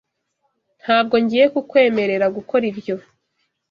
Ntabwo ngiye kukwemerera gukora ibyo.